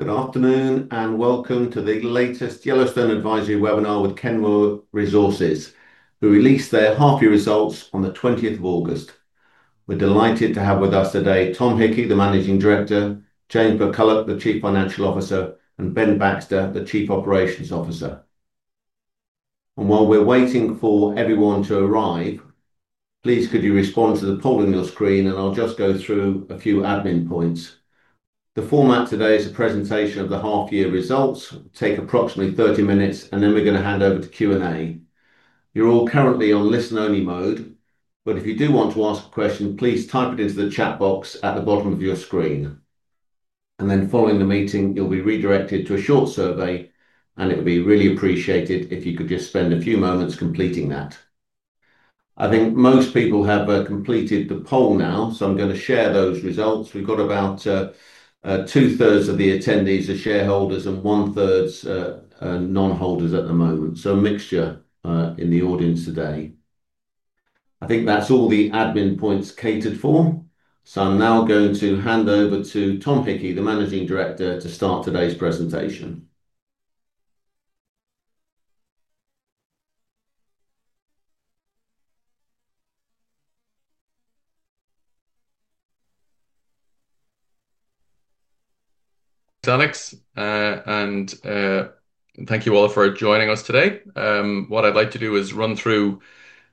Good afternoon and welcome to the latest Yellowstone Advisory Webinar with Kenmare Resources, who released their half-year results on the 20th of August. We're delighted to have with us today Tom Hickey, the Managing Director, James McCullough, the Chief Financial Officer, and Ben Baxter, the Chief Operations Officer. While we're waiting for everyone to arrive, please could you respond to the poll on your screen, and I'll just go through a few admin points. The format today is a presentation of the half-year results. It will take approximately 30 minutes, and then we're going to hand over to Q&A. You're all currently on listen-only mode, but if you do want to ask a question, please type it into the chat box at the bottom of your screen. Following the meeting, you'll be redirected to a short survey, and it would be really appreciated if you could just spend a few moments completing that. I think most people have completed the poll now, so I'm going to share those results. We've got about two-thirds of the attendees are shareholders and one-third are non-holders at the moment, so a mixture in the audience today. I think that's all the admin points catered for, so I'm now going to hand over to Tom Hickey, the Managing Director, to start today's presentation. Thanks, Alex, and thank you all for joining us today. What I'd like to do is run through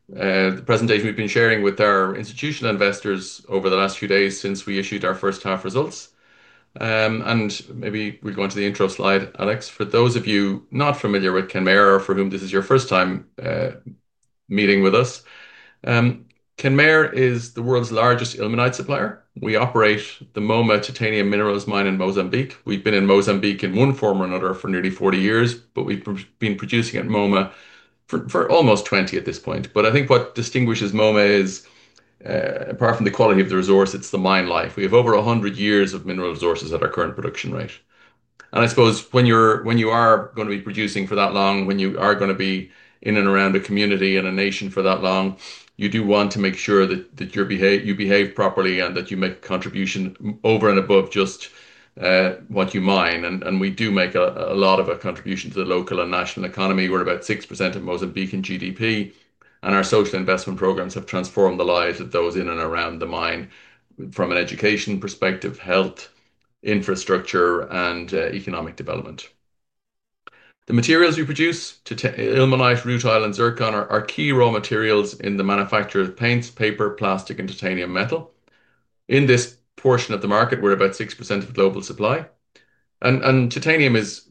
the presentation we've been sharing with our institutional investors over the last few days since we issued our first half results. Maybe we go on to the intro slide, Alex. For those of you not familiar with Kenmare, or for whom this is your first time meeting with us, Kenmare is the world's largest ilmenite supplier. We operate the Moma Titanium Minerals Mine in Mozambique. We've been in Mozambique in one form or another for nearly 40 years, but we've been producing at Moma for almost 20 at this point. I think what distinguishes Moma is, apart from the quality of the resource, it's the mine life. We have over 100 years of mineral resources at our current production rate. I suppose when you are going to be producing for that long, when you are going to be in and around a community and a nation for that long, you do want to make sure that you behave properly and that you make a contribution over and above just what you mine. We do make a lot of a contribution to the local and national economy. We're about 6% of Mozambique GDP, and our social investment programs have transformed the lives of those in and around the mine from an education perspective, health, infrastructure, and economic development. The materials we produce, ilmenite, rutile, and zircon, are key raw materials in the manufacture of paints, paper, plastic, and titanium metal. In this portion of the market, we're about 6% of the global supply. Titanium is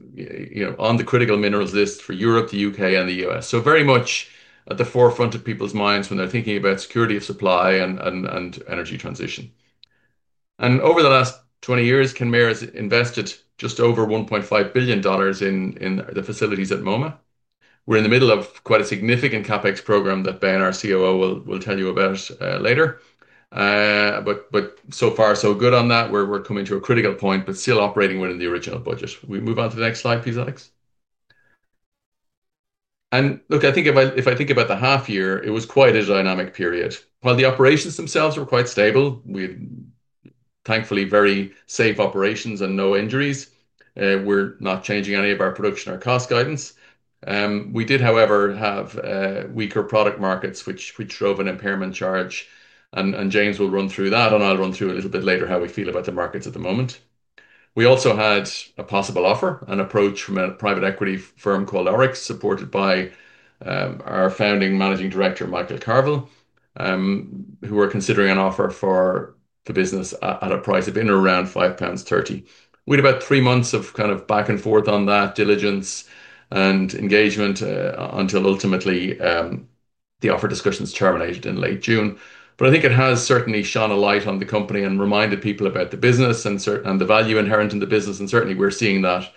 on the critical minerals list for Europe, the U.K., and the U.S., so very much at the forefront of people's minds when they're thinking about security of supply and energy transition. Over the last 20 years, Kenmare has invested just over $1.5 billion in the facilities at Moma. We're in the middle of quite a significant CapEx program that Ben, our COO, will tell you about later. So far, so good on that. We're coming to a critical point, but still operating within the original budget. We move on to the next slide, please, Alex. I think if I think about the half year, it was quite a dynamic period. While the operations themselves were quite stable, we had thankfully very safe operations and no injuries. We're not changing any of our production or cost guidance. We did, however, have weaker product markets, which drove an impairment charge. James will run through that, and I'll run through a little bit later how we feel about the markets at the moment. We also had a possible offer, an approach from a private equity firm called Oryx, supported by our founding Managing Director, Michael Carvill, who were considering an offer for the business at a price of in or around £5.30. We had about three months of kind of back and forth on that, diligence and engagement, until ultimately the offer discussions terminated in late June. I think it has certainly shone a light on the company and reminded people about the business and the value inherent in the business. Certainly, we're seeing that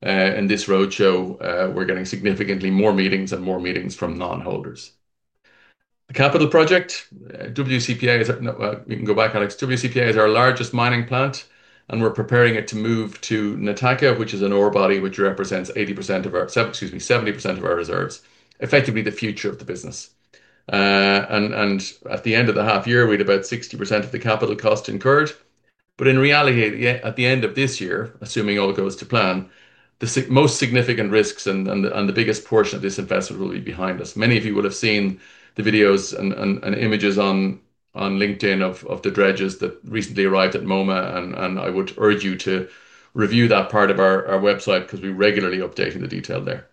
in this roadshow. We're getting significantly more meetings and more meetings from non-holders. The capital project, WCPA, we can go back, Alex. WCPA is our largest mining plant, and we're preparing it to move to Nataka, which is an orebody which represents 70% of our reserves, effectively the future of the business. At the end of the half year, we had about 60% of the capital cost incurred. In reality, at the end of this year, assuming all goes to plan, the most significant risks and the biggest portion of this investment will be behind us. Many of you would have seen the videos and images on LinkedIn of the dredges that recently arrived at Moma, and I would urge you to review that part of our website because we regularly update in the detail there.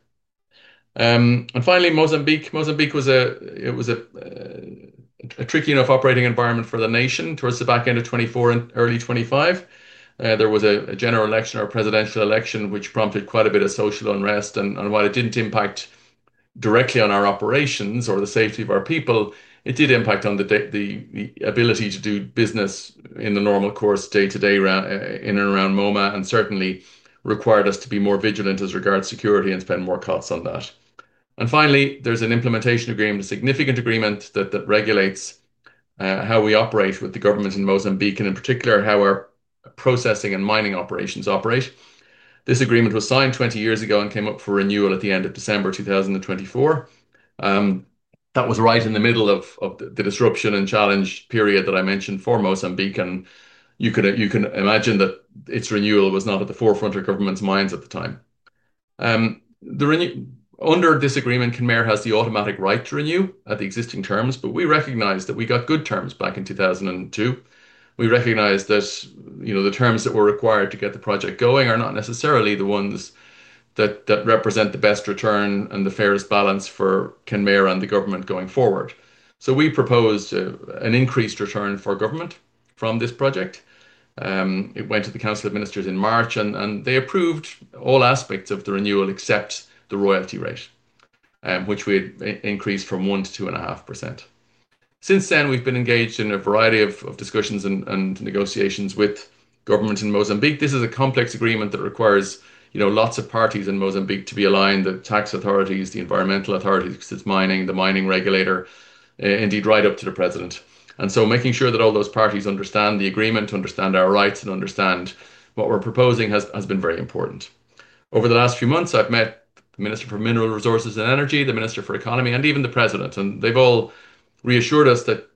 Finally, Mozambique. Mozambique was a tricky enough operating environment for the nation towards the back end of 2024 and early 2025. There was a general election or a presidential election which prompted quite a bit of social unrest. While it didn't impact directly on our operations or the safety of our people, it did impact on the ability to do business in the normal course, day-to-day in and around Moma, and certainly required us to be more vigilant as regards to security and spend more costs on that. Finally, there's an Implementation Agreement, a significant agreement that regulates how we operate with the government in Mozambique and in particular how our processing and mining operations operate. This agreement was signed 20 years ago and came up for renewal at the end of December 2024. That was right in the middle of the disruption and challenge period that I mentioned for Mozambique. You can imagine that its renewal was not at the forefront of the government's minds at the time. Under this agreement, Kenmare has the automatic right to renew at the existing terms, but we recognized that we got good terms back in 2002. We recognized that the terms that were required to get the project going are not necessarily the ones that represent the best return and the fairest balance for Kenmare and the government going forward. We proposed an increased return for government from this project. It went to the Council of Ministers in March, and they approved all aspects of the renewal except the royalty rate, which we increased from 1%-2.5%. Since then, we've been engaged in a variety of discussions and negotiations with government in Mozambique. This is a complex agreement that requires lots of parties in Mozambique to be aligned, the tax authorities, the environmental authorities, because it's mining, the mining regulator, indeed right up to the President. Making sure that all those parties understand the agreement, understand our rights, and understand what we're proposing has been very important. Over the last few months, I've met the Minister for Mineral Resources and Energy, the Minister for Economy, and even the President. They've all reassured us that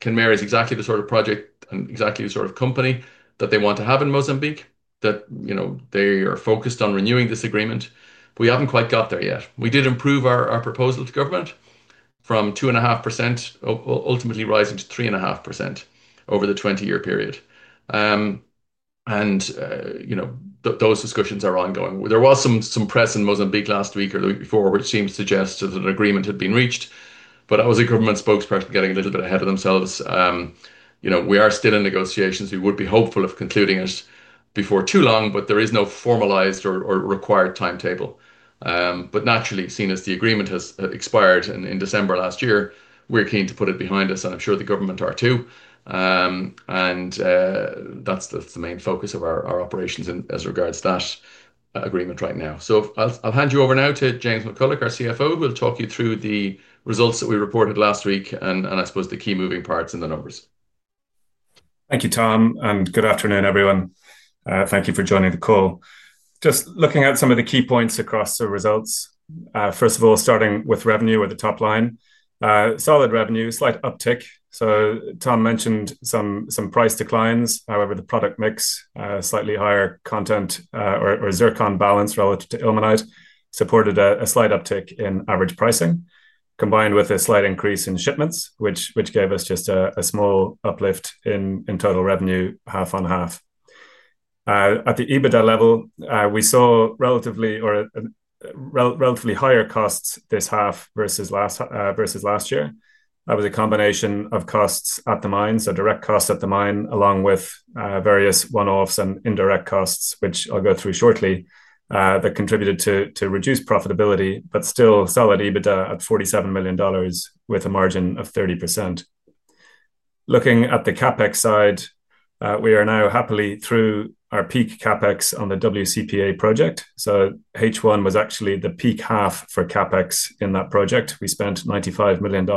Kenmare is exactly the sort of project and exactly the sort of company that they want to have in Mozambique, that they are focused on renewing this agreement. We haven't quite got there yet. We did improve our proposal to government from 2.5%, ultimately rising to 3.5% over the 20-year period. Those discussions are ongoing. There was some press in Mozambique last week or the week before, which seemed to suggest that an agreement had been reached. That was a government spokesperson getting a little bit ahead of themselves. We are still in negotiations. We would be hopeful of concluding it before too long, but there is no formalized or required timetable. Naturally, seeing as the agreement has expired in December last year, we're keen to put it behind us, and I'm sure the government are too. That's the main focus of our operations as regards to that agreement right now. I'll hand you over now to James McCullough, our CFO. We'll talk you through the results that we reported last week and I suppose the key moving parts in the numbers. Thank you, Tom, and good afternoon, everyone. Thank you for joining the call. Just looking at some of the key points across the results. First of all, starting with revenue at the top line, solid revenue, slight uptick. Tom mentioned some price declines. However, the product mix, slightly higher content or zircon balance relative to ilmenite, supported a slight uptick in average pricing, combined with a slight increase in shipments, which gave us just a small uplift in total revenue, half on half. At the EBITDA level, we saw relatively higher costs this half versus last year. That was a combination of costs at the mine, so direct costs at the mine, along with various one-offs and indirect costs, which I'll go through shortly, that contributed to reduced profitability, but still solid EBITDA at $47 million with a margin of 30%. Looking at the CapEx side, we are now happily through our peak CapEx on the WCPA project. H1 was actually the peak half for CapEx in that project. We spent $95 million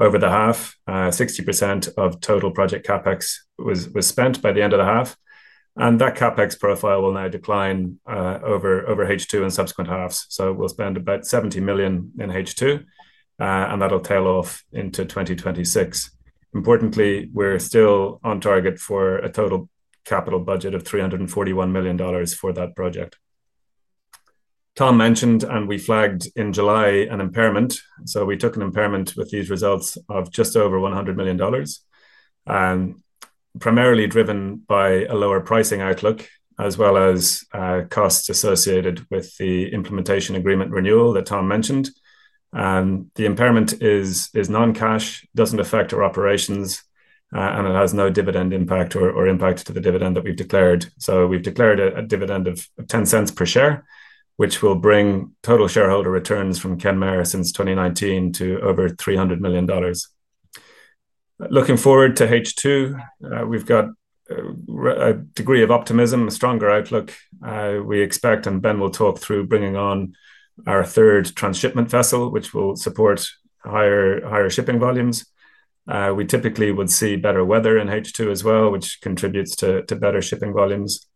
over the half. 60% of total project CapEx was spent by the end of the half. That CapEx profile will now decline over H2 and subsequent halves. We'll spend about $70 million in H2, and that'll tail off into 2026. Importantly, we're still on target for a total capital budget of $341 million for that project. Tom mentioned, and we flagged in July, an impairment. We took an impairment with these results of just over $100 million, primarily driven by a lower pricing outlook, as well as costs associated with the Implementation Agreement renewal that Tom mentioned. The impairment is non-cash, doesn't affect our operations, and it has no dividend impact or impacts to the dividend that we've declared. We've declared a dividend of $0.10 per share, which will bring total shareholder returns from Kenmare since 2019 to over $300 million. Looking forward to H2, we've got a degree of optimism, a stronger outlook we expect. Ben will talk through bringing on our third transshipment vessel, which will support higher shipping volumes. We typically would see better weather in H2 as well, which contributes to better shipping volumes.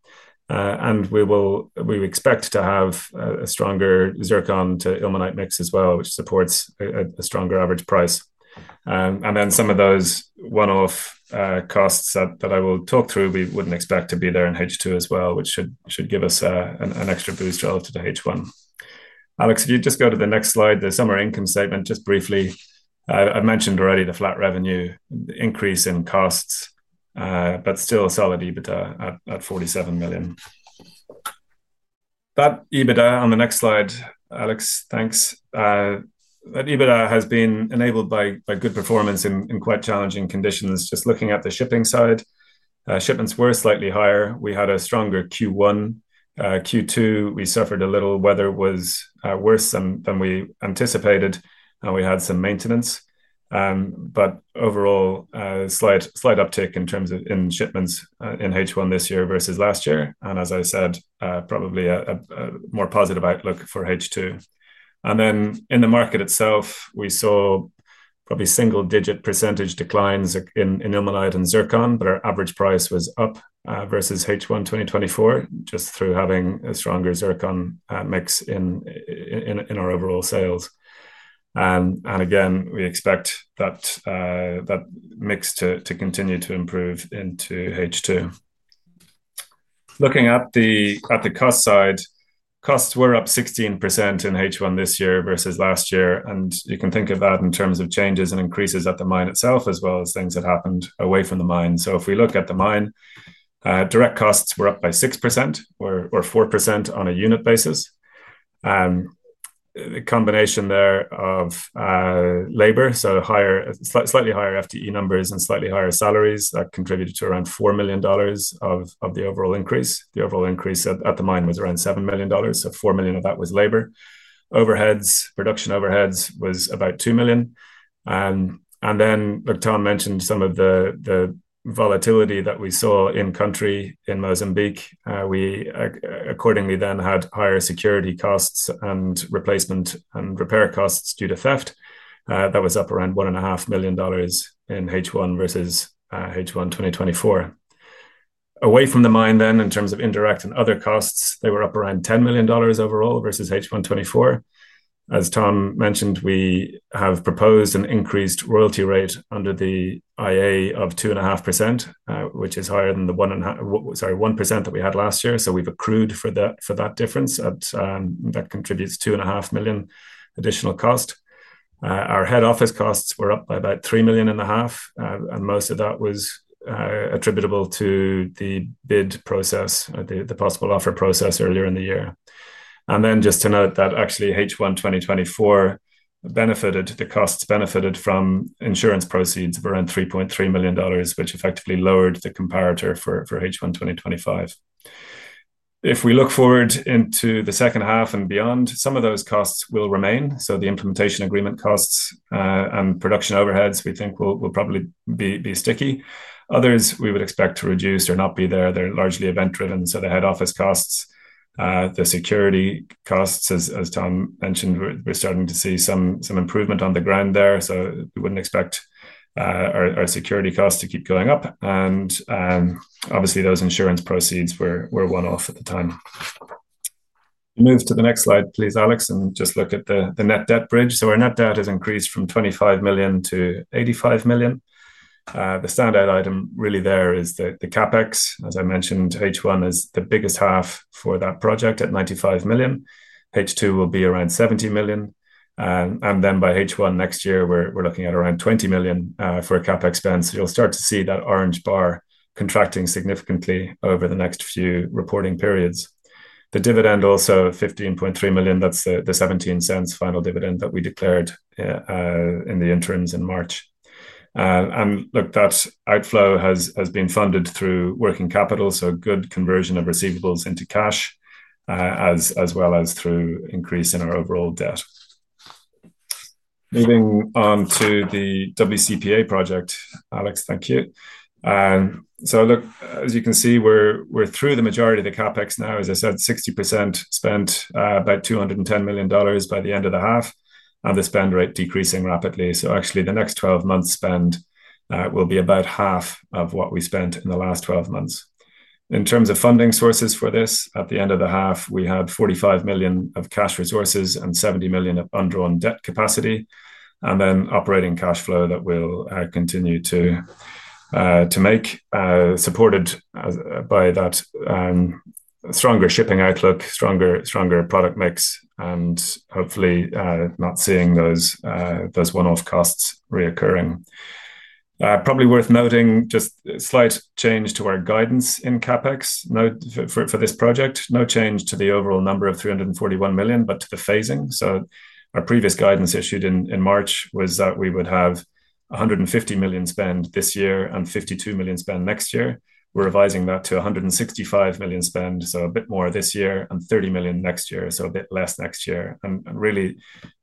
We expect to have a stronger zircon to ilmenite mix as well, which supports a stronger average price. Some of those one-off costs that I will talk through, we wouldn't expect to be there in H2 as well, which should give us an extra boost relative to H1. Alex, if you'd just go to the next slide, the summary income statement just briefly. I've mentioned already the flat revenue, the increase in costs, but still solid EBITDA at $47 million. That EBITDA on the next slide, Alex, thanks. That EBITDA has been enabled by good performance in quite challenging conditions. Just looking at the shipping side, shipments were slightly higher. We had a stronger Q1. Q2, we suffered a little. Weather was worse than we anticipated, and we had some maintenance. Overall, a slight uptick in shipments in H1 this year versus last year. As I said, probably a more positive outlook for H2. In the market itself, we saw probably single-digit percentage declines in ilmenite and zircon, but our average price was up versus H1 2024, just through having a stronger zircon mix in our overall sales. We expect that mix to continue to improve into H2. Looking at the cost side, costs were up 16% in H1 this year versus last year. You can think of that in terms of changes and increases at the mine itself, as well as things that happened away from the mine. If we look at the mine, direct costs were up by 6% or 4% on a unit basis. A combination there of labor, so slightly higher FTE numbers and slightly higher salaries that contributed to around $4 million of the overall increase. The overall increase at the mine was around $7 million, so $4 million of that was labor. Reduction overheads was about $2 million. Like Tom mentioned, some of the volatility that we saw in-country in Mozambique, we accordingly then had higher security costs and replacement and repair costs due to theft. That was up around $1.5 million in H1 versus H1 2024. Away from the mine then, in terms of indirect and other costs, they were up around $10 million overall versus H1 2024. As Tom mentioned, we have proposed an increased royalty rate under the Implementation Agreement of 2.5%, which is higher than the 1% that we had last year. We've accrued for that difference. That contributes $2.5 million additional cost. Our head office costs were up by about $3.5 million, and most of that was attributable to the bid process, the possible offer process earlier in the year. Just to note that actually H1 2024 benefited, the costs benefited from insurance proceeds of around $3.3 million, which effectively lowered the comparator for H1 2025. If we look forward into the second half and beyond, some of those costs will remain. The Implementation Agreement costs and production overheads, we think, will probably be sticky. Others we would expect to reduce or not be there. They're largely event-driven, so the head office costs, the security costs, as Tom mentioned, we're starting to see some improvement on the ground there. We wouldn't expect our security costs to keep going up. Obviously, those insurance proceeds were one-off at the time. Move to the next slide, please, Alex, and we'll just look at the net debt bridge. Our net debt has increased from $25 million-$85 million. The standout item really there is the CapEx. As I mentioned, H1 is the biggest half for that project at $95 million. H2 will be around $70 million. By H1 next year, we're looking at around $20 million for CapEx spends. You'll start to see that orange bar contracting significantly over the next few reporting periods. The dividend also at $15.3 million, that's the $0.17 final dividend that we declared in the interims in March. That outflow has been funded through working capital, so good conversion of receivables into cash, as well as through increase in our overall debt. Moving on to the WCPA project, Alex, thank you. As you can see, we're through the majority of the CapEx now. As I said, 60% spent, about $210 million by the end of the half, and the spend rate decreasing rapidly. The next 12 months' spend will be about half of what we spent in the last 12 months. In terms of funding sources for this, at the end of the half, we had $45 million of cash resources and $70 million of undrawn debt capacity, and then operating cash flow that we'll continue to make, supported by that stronger shipping outlook, stronger product mix, and hopefully not seeing those one-off costs reoccurring. Probably worth noting just a slight change to our guidance in CapEx for this project. No change to the overall number of $341 million, but to the phasing. Our previous guidance issued in March was that we would have $150 million spend this year and $52 million spend next year. We're revising that to $165 million spend, so a bit more this year and $30 million next year, so a bit less next year.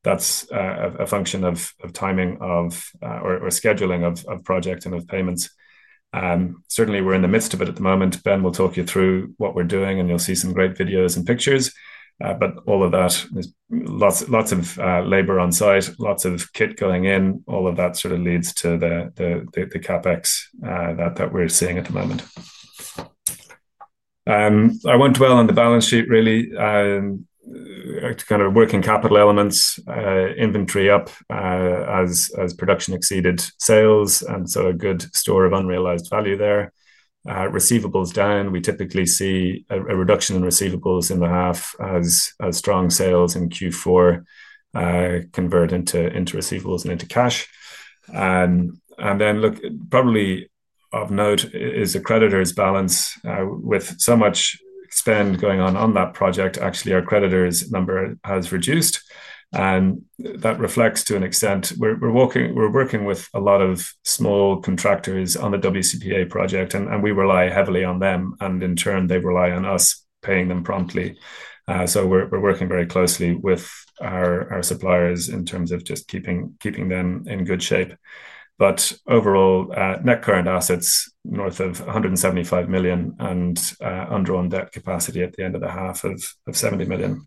That's a function of timing or scheduling of project and of payments. Certainly, we're in the midst of it at the moment. Ben will talk you through what we're doing, and you'll see some great videos and pictures. All of that is lots of labor on site, lots of kit going in. All of that sort of leads to the CapEx that we're seeing at the moment. It went well on the balance sheet, really. Kind of working capital elements, inventory up as production exceeded sales, and a good store of unrealized value there. Receivables down. We typically see a reduction in receivables in the half as strong sales in Q4 convert into receivables and into cash. Probably of note is the creditors' balance. With so much spend going on on that project, actually, our creditors' number has reduced. That reflects to an extent. We're working with a lot of small contractors on the WCPA project, and we rely heavily on them. In turn, they rely on us paying them promptly. We're working very closely with our suppliers in terms of just keeping them in good shape. Overall, net current assets north of $175 million and undrawn debt capacity at the end of the half of $70 million.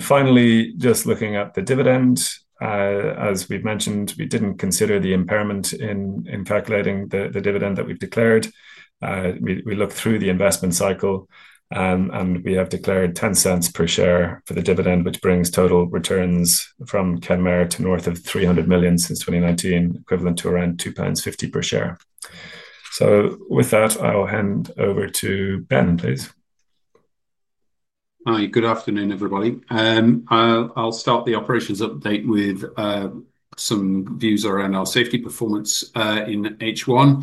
Finally, just looking at the dividend, as we've mentioned, we didn't consider the impairment in calculating the dividend that we declared. We looked through the investment cycle, and we have declared $0.10 per share for the dividend, which brings total returns from Kenmare to north of $300 million since 2019, equivalent to around £2.50 per share. With that, I'll hand over to Ben, please. Hi, good afternoon, everybody. I'll start the operations update with some views around our safety performance in H1.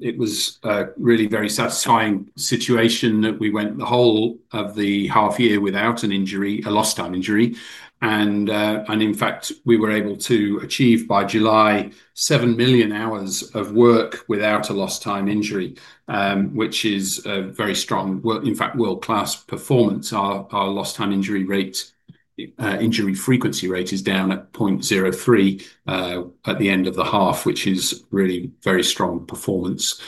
It was really a very satisfying situation that we went the whole of the half year without a lost time injury. In fact, we were able to achieve by July 7 million hours of work without a lost time injury, which is a very strong, in fact, world-class performance. Our lost time injury frequency rate is down at 0.03 at the end of the half, which is really very strong performance.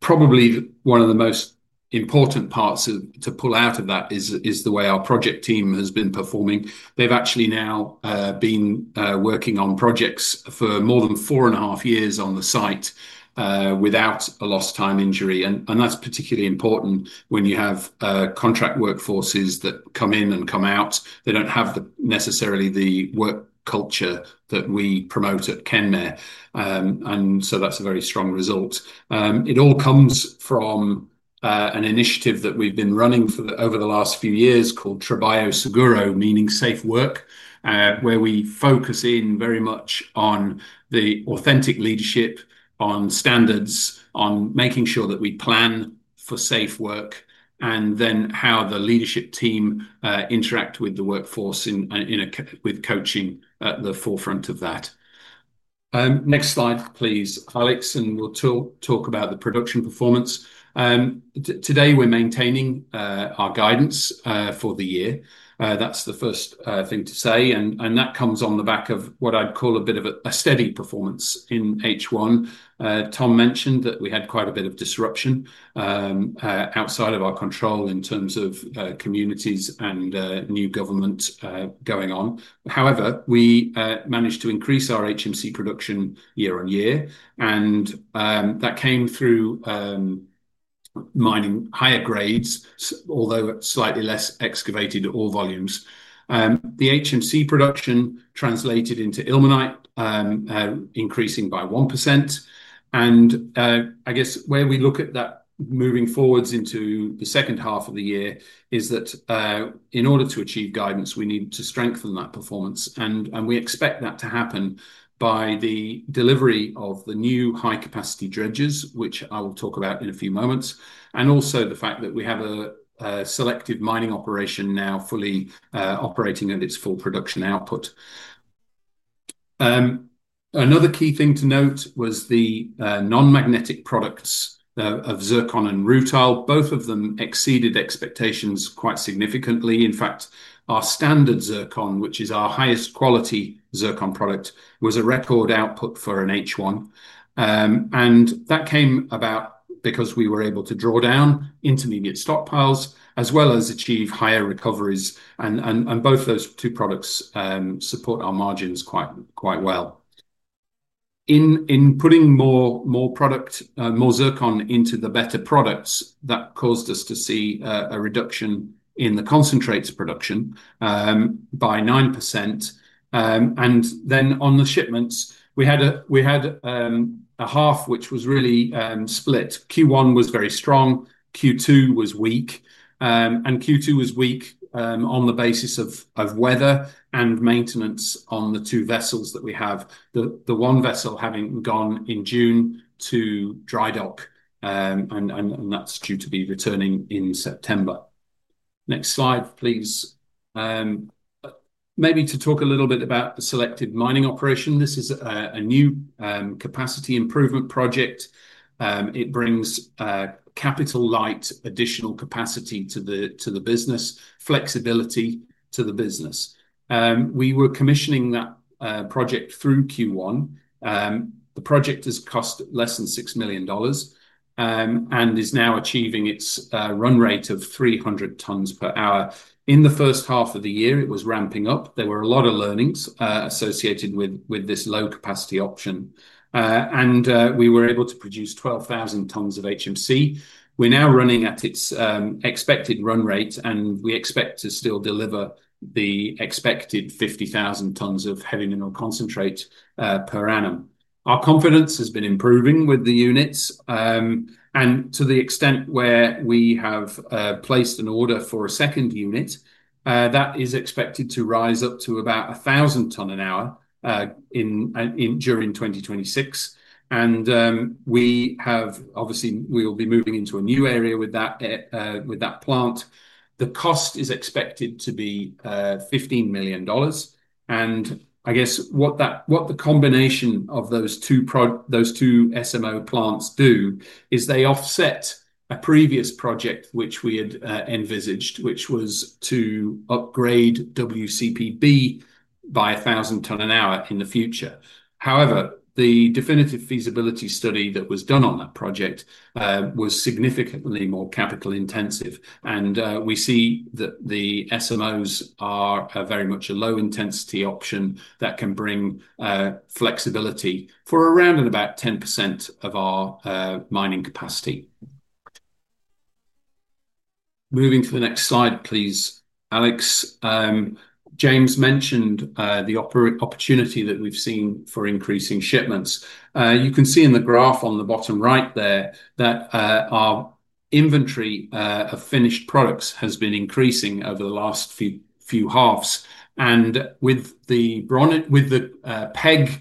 Probably one of the most important parts to pull out of that is the way our project team has been performing. They've actually now been working on projects for more than four and a half years on the site without a lost time injury. That's particularly important when you have contract workforces that come in and come out. They don't have necessarily the work culture that we promote at Kenmare. That's a very strong result. It all comes from an initiative that we've been running for over the last few years called Trebaio Seguro, meaning safe work, where we focus in very much on the authentic leadership, on standards, on making sure that we plan for safe work, and then how the leadership team interacts with the workforce with coaching at the forefront of that. Next slide, please, Alex, and we'll talk about the production performance. Today, we're maintaining our guidance for the year. That's the first thing to say. That comes on the back of what I'd call a bit of a steady performance in H1. Tom mentioned that we had quite a bit of disruption outside of our control in terms of communities and new government going on. However, we managed to increase our HMC production year-on-year. That came through mining higher grades, although slightly less excavated ore volumes. The HMC production translated into ilmenite, increasing by 1%. Where we look at that moving forwards into the second half of the year is that in order to achieve guidance, we need to strengthen that performance. We expect that to happen by the delivery of the new high-capacity dredges, which I will talk about in a few moments, and also the fact that we have a selective mining operation now fully operating at its full production output. Another key thing to note was the non-magnetic products of zircon and rutile. Both of them exceeded expectations quite significantly. In fact, our standard zircon, which is our highest quality zircon product, was a record output for an H1. That came about because we were able to draw down intermediate stockpiles, as well as achieve higher recoveries. Both those two products support our margins quite well. In putting more product, more zircon into the better products, that caused us to see a reduction in the concentrates production by 9%. On the shipments, we had a half which was really split. Q1 was very strong. Q2 was weak. Q2 was weak on the basis of weather and maintenance on the two vessels that we have. The one vessel having gone in June to dry dock, and that's due to be returning in September. Next slide, please. Maybe to talk a little bit about the selected mining operation. This is a new capacity improvement project. It brings capital-light, additional capacity to the business, flexibility to the business. We were commissioning that project through Q1. The project has cost less than $6 million and is now achieving its run rate of 300 tons per hour. In the first half of the year, it was ramping up. There were a lot of learnings associated with this low-capacity option. We were able to produce 12,000 tons of HMC. We're now running at its expected run rate, and we expect to still deliver the expected 50,000 tons of heavy mineral concentrate per annum. Our confidence has been improving with the units. To the extent where we have placed an order for a second unit, that is expected to rise up to about 1,000 tons an hour during 2026. Obviously, we will be moving into a new area with that plant. The cost is expected to be $15 million. I guess what the combination of those two SMO plants do is they offset a previous project which we had envisaged, which was to upgrade WCPB by 1,000 tons an hour in the future. However, the definitive feasibility study that was done on that project was significantly more capital intensive. We see that the SMOs are very much a low-intensity option that can bring flexibility for around about 10% of our mining capacity. Moving to the next slide, please, Alex. James mentioned the opportunity that we've seen for increasing shipments. You can see in the graph on the bottom right there that our inventory of finished products has been increasing over the last few halves. With the PEG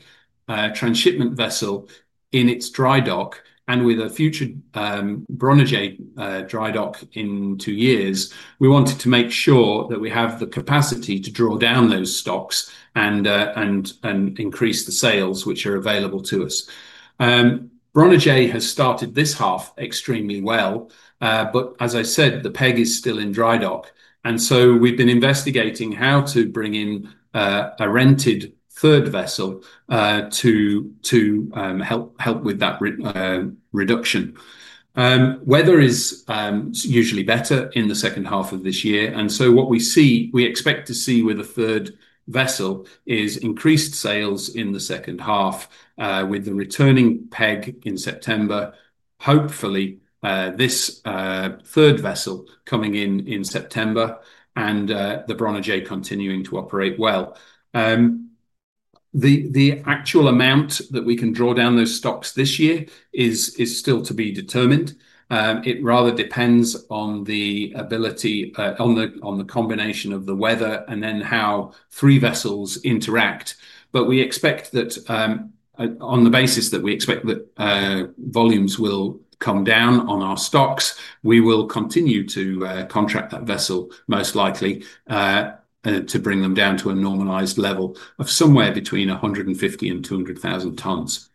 transshipment vessel in its dry dock and with a future BRONIGE dry dock in two years, we wanted to make sure that we have the capacity to draw down those stocks and increase the sales which are available to us. BRONIGE has started this half extremely well. As I said, the PEG is still in dry dock. We have been investigating how to bring in a rented third vessel to help with that reduction. Weather is usually better in the second half of this year. What we expect to see with a third vessel is increased sales in the second half with the returning PEG in September, hopefully this third vessel coming in in September, and the BRONIGE continuing to operate well. The actual amount that we can draw down those stocks this year is still to be determined. It rather depends on the ability, on the combination of the weather, and then how three vessels interact. We expect that on the basis that we expect that volumes will come down on our stocks, we will continue to contract that vessel most likely to bring them down to a normalized level of somewhere between 150,000 tons-200,000 tons.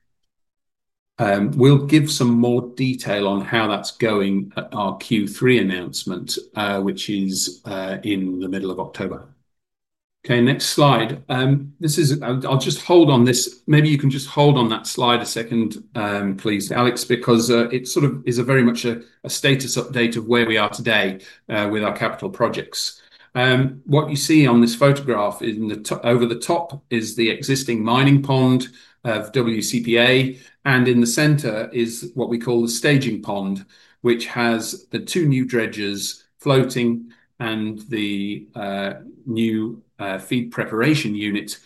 We'll give some more detail on how that's going at our Q3 announcement, which is in the middle of October. Next slide. I'll just hold on this. Maybe you can just hold on that slide a second, please, Alex, because it is very much a status update of where we are today with our capital projects. What you see on this photograph over the top is the existing mining pond of WCPA, and in the center is what we call the staging pond, which has the two new dredges floating and the new feed preparation unit,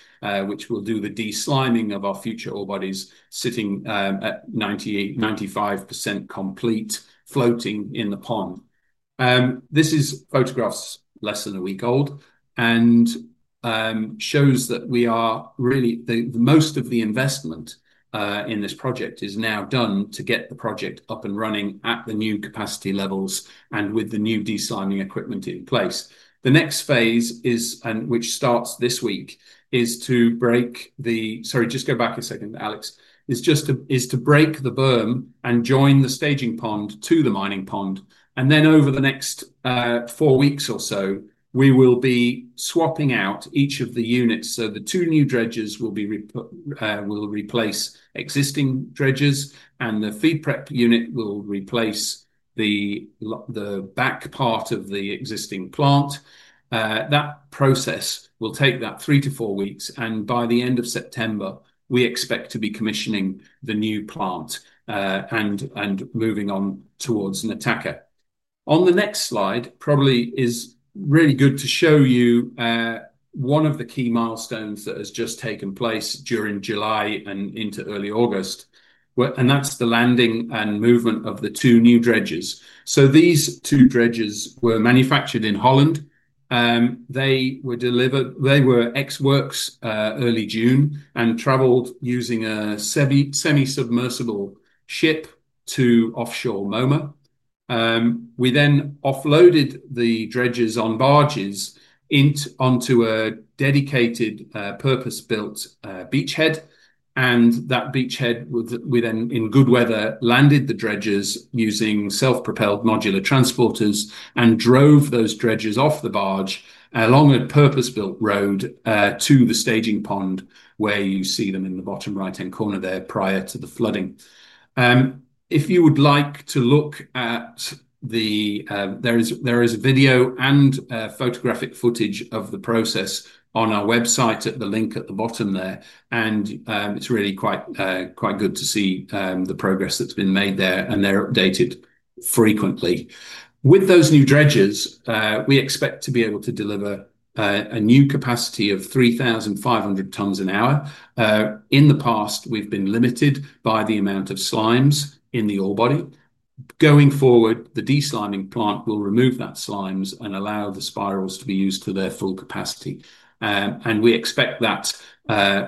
which will do the de-sliming of our future ore bodies, sitting at 95% complete, floating in the pond. This photograph is less than a week old and shows that most of the investment in this project is now done to get the project up and running at the new capacity levels and with the new de-sliming equipment in place. The next phase, which starts this week, is to break the berm and join the staging pond to the mining pond. Over the next four weeks or so, we will be swapping out each of the units. The two new dredges will replace existing dredges, and the feed prep unit will replace the back part of the existing plant. That process will take three to four weeks. By the end of September, we expect to be commissioning the new plant and moving on towards Nataka. On the next slide, it is really good to show you one of the key milestones that has just taken place during July and into early August, and that's the landing and movement of the two new dredges. These two dredges were manufactured in Holland. They were delivered, they were ex-works early June and traveled using a semi-submersible ship to offshore Moma. We then offloaded the dredges on barges onto a dedicated purpose-built beachhead. That beachhead was, in good weather, used to land the dredges using self-propelled modular transporters and drove those dredges off the barge along a purpose-built road to the staging pond where you see them in the bottom right-hand corner there prior to the flooding. If you would like to look at the, there is video and photographic footage of the process on our website at the link at the bottom there. It is really quite good to see the progress that's been made there, and they're updated frequently. With those new dredges, we expect to be able to deliver a new capacity of 3,500 tons an hour. In the past, we've been limited by the amount of slimes in the orebody. Going forward, the de-sliming plant will remove that slime and allow the spirals to be used to their full capacity. We expect that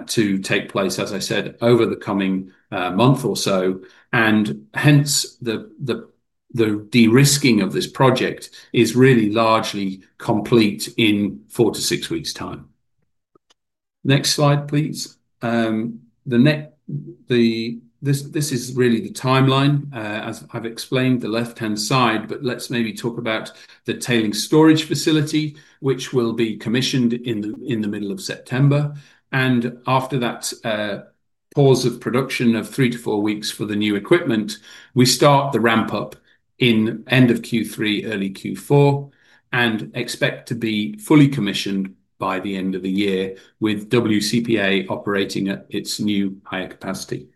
to take place, as I said, over the coming month or so. Hence, the de-risking of this project is really largely complete in four to six weeks' time. Next slide, please. This is really the timeline, as I've explained the left-hand side, but let's maybe talk about the tailing storage facility, which will be commissioned in the middle of September. After that pause of production of three to four weeks for the new equipment, we start the ramp-up in end of Q3, early Q4, and expect to be fully commissioned by the end of the year with WCPA operating at its new higher capacity.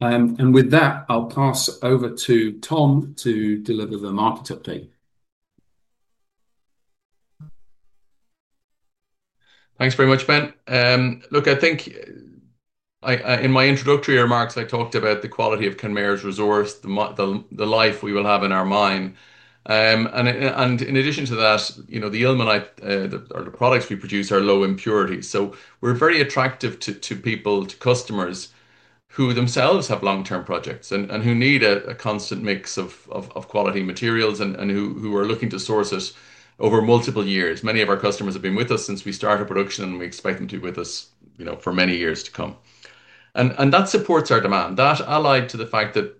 With that, I'll pass over to Tom to deliver the market update. Thanks very much, Ben. I think in my introductory remarks, I talked about the quality of Kenmare Resource, the life we will have in our mine. In addition to that, the ilmenite or the products we produce are low in purity, so we're very attractive to people, to customers who themselves have long-term projects and who need a constant mix of quality materials and who are looking to source us over multiple years. Many of our customers have been with us since we started production, and we expect them to be with us for many years to come. That supports our demand. That's allied to the fact that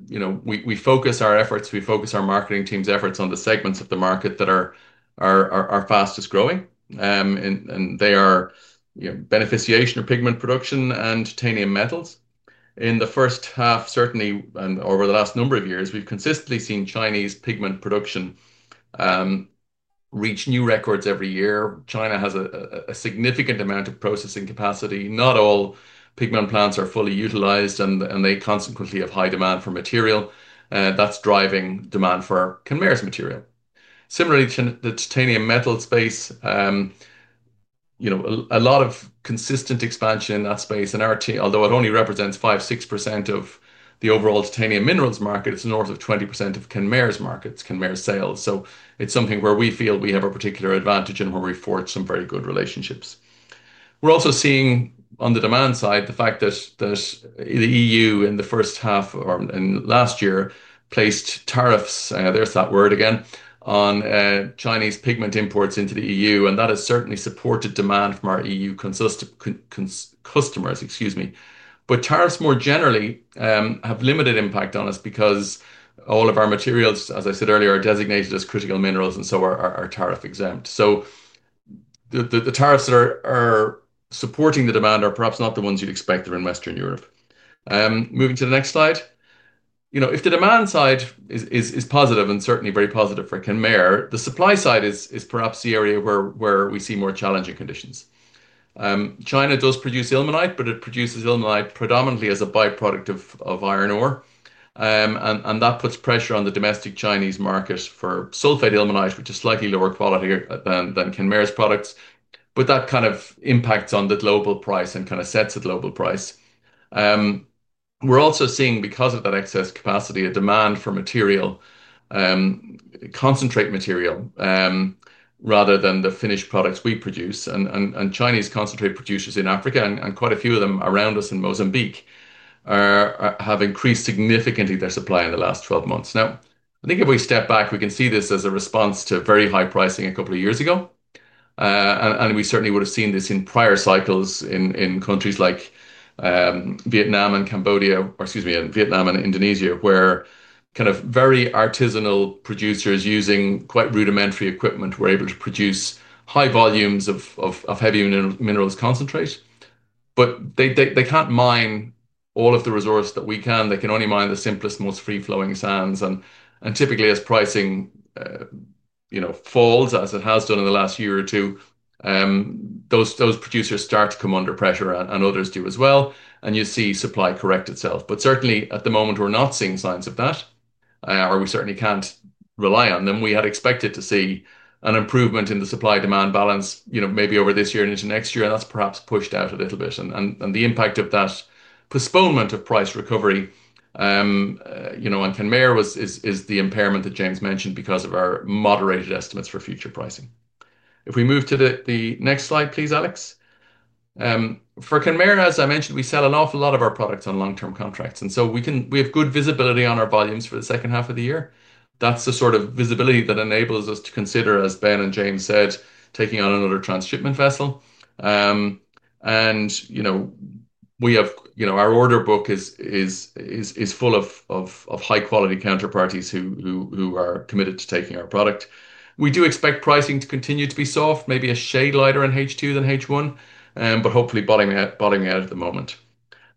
we focus our efforts, we focus our marketing team's efforts on the segments of the market that are our fastest growing, and they are beneficiation or pigment production and titanium metals. In the first half, certainly, and over the last number of years, we've consistently seen Chinese pigment production reach new records every year. China has a significant amount of processing capacity. Not all pigment plants are fully utilized, and they consequently have high demand for material. That's driving demand for Kenmare's material. Similarly, the titanium metal space, a lot of consistent expansion in that space. Rutile, although it only represents 5%-6% of the overall titanium minerals market, is north of 20% of Kenmare's markets, Kenmare's sales. It's something where we feel we have a particular advantage and want to reinforce some very good relationships. We're also seeing on the demand side the fact that the EU in the first half or in last year placed tariffs, there's that word again, on Chinese pigment imports into the EU. That has certainly supported demand from our EU customers, excuse me. Tariffs more generally have limited impact on us because all of our materials, as I said earlier, are designated as critical minerals and so are tariff-exempt. The tariffs that are supporting the demand are perhaps not the ones you'd expect there in Western Europe. Moving to the next slide. If the demand side is positive and certainly very positive for Kenmare, the supply side is perhaps the area where we see more challenging conditions. China does produce ilmenite, but it produces ilmenite predominantly as a byproduct of iron ore. That puts pressure on the domestic Chinese market for sulfate ilmenite, which is slightly lower quality than Kenmare's products. That kind of impacts on the global price and kind of sets a global price. We're also seeing, because of that excess capacity, a demand for material, concentrate material, rather than the finished products we produce. Chinese concentrate producers in Africa, and quite a few of them around us in Mozambique, have increased significantly their supply in the last 12 months. I think if we step back, we can see this as a response to very high pricing a couple of years ago. We certainly would have seen this in prior cycles in countries like Vietnam and Indonesia, where very artisanal producers using quite rudimentary equipment were able to produce high volumes of heavy minerals concentrate. They can't mine all of the resource that we can. They can only mine the simplest, most free-flowing sands. Typically, as pricing falls, as it has done in the last year or two, those producers start to come under pressure, and others do as well. You see supply correct itself. Certainly, at the moment, we're not seeing signs of that, or we certainly can't rely on them. We had expected to see an improvement in the supply-demand balance maybe over this year and into next year. That's perhaps pushed out a little bit. The impact of that postponement of price recovery on Kenmare is the impairment that James mentioned because of our moderated estimates for future pricing. If we move to the next slide, please, Alex. For Kenmare, as I mentioned, we sell an awful lot of our products on long-term contracts. We have good visibility on our volumes for the second half of the year. That's the sort of visibility that enables us to consider, as Ben and James said, taking on another transshipment vessel. Our order book is full of high-quality counterparties who are committed to taking our product. We do expect pricing to continue to be soft, maybe a shade lighter in H2 than H1, but hopefully bottoming out at the moment.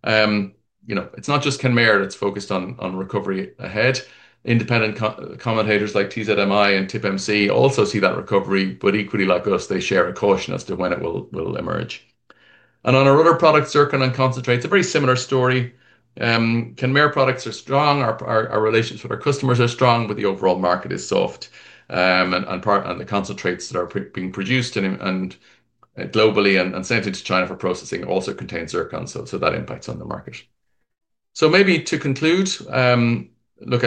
It's not just Kenmare that's focused on recovery ahead. Independent commentators like TZMI and TIPMC also see that recovery, but equally like us, they share a caution as to when it will emerge. On our other products, zircon and concentrates, a very similar story. Kenmare products are strong. Our relations with our customers are strong, but the overall market is soft. The concentrates that are being produced globally and sent into China for processing also contain zircon, so that impacts on the market. Maybe to conclude, I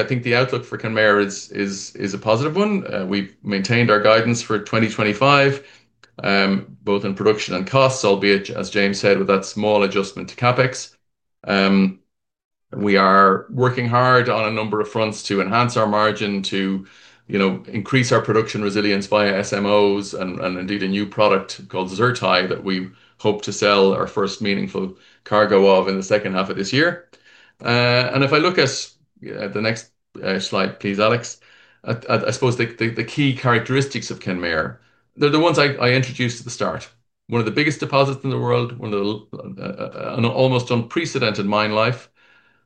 think the outlook for Kenmare is a positive one. We've maintained our guidance for 2025, both in production and costs, albeit, as James said, with that small adjustment to CapEx. We are working hard on a number of fronts to enhance our margin, to increase our production resilience via SMOs, and indeed a new product called ZrTi that we hope to sell our first meaningful cargo of in the second half of this year. If I look at the next slide, please, Alex, I suppose the key characteristics of Kenmare, they're the ones I introduced at the start. One of the biggest deposits in the world, an almost unprecedented mine life,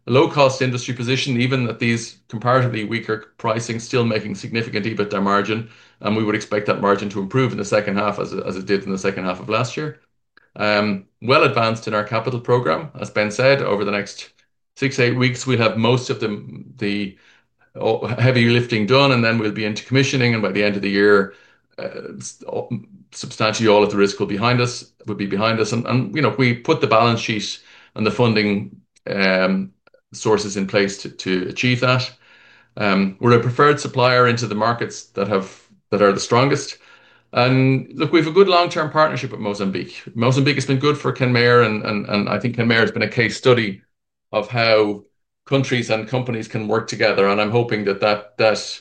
a low-cost industry position, even at these comparatively weaker pricings, still making significant EBITDA margin. We would expect that margin to improve in the second half as it did in the second half of last year. We are well advanced in our capital program. As Ben said, over the next six to eight weeks, we'll have most of the heavy lifting done, and then we'll be into commissioning. By the end of the year, substantially all of the risk will be behind us. We put the balance sheets and the funding sources in place to achieve that. We're a preferred supplier into the markets that are the strongest. We have a good long-term partnership with Mozambique. Mozambique has been good for Kenmare, and I think Kenmare has been a case study of how countries and companies can work together. I'm hoping that